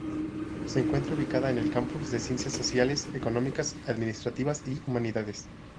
Se encuentra ubicada en el Campus de Ciencias Sociales, Económicas-Administrativas y Humanidades.